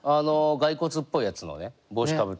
骸骨っぽいやつのね帽子かぶった。